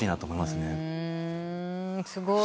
すごい。